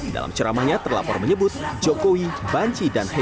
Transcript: dalam ceramahnya terlapor menyebut jokowi banci dan hebat